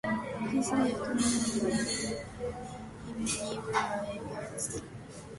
This left no railways in many rural areas, including the whole of County Fermanagh.